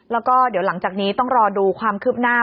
แล้วก็เดี๋ยวหลังจากนี้ต้องรอดูความคืบหน้า